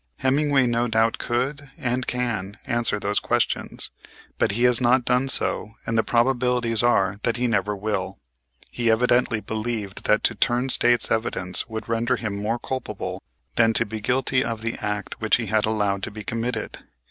Hemmingway no doubt could and can answer those questions, but he has not done so and the probabilities are that he never will. He evidently believed that to turn State's evidence would render him more culpable than to be guilty of the act which he had allowed to be committed.